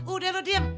udah lu diem